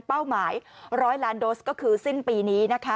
เป้าหมาย๑๐๐ล้านโดสก็คือสิ้นปีนี้นะคะ